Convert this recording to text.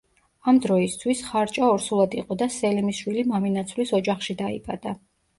ამ დროისთვის, ხარჭა ორსულად იყო და სელიმის შვილი მამინაცვლის ოჯახში დაიბადა.